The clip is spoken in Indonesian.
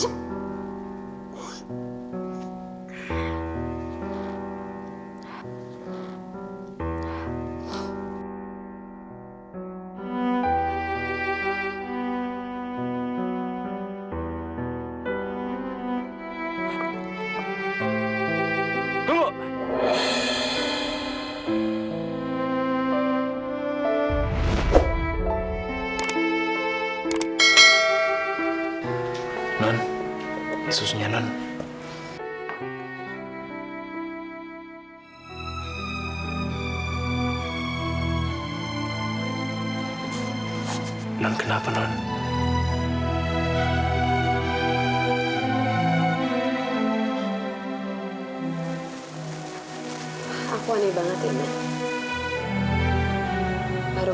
itu gak akan berakhir